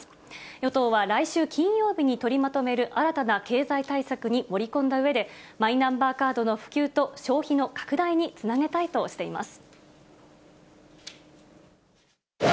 与党は来週金曜日に取りまとめる新たな経済対策に盛り込んだうえで、マイナンバーカードの普及と消費の拡大につなげたいとしています。